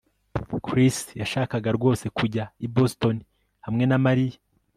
Chris yashakaga rwose kujya i Boston hamwe na Mariya